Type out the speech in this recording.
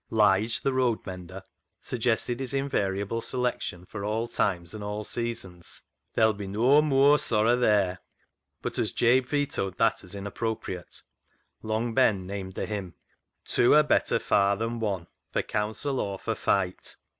Lige, the road mender, suggested his in variable selection for all times and seasons, " There'll be no mooar sorra there," but as Jabe vetoed that as inappropriate, Long Ben named the hymn — "Two are better far than one. For counsel or for fight."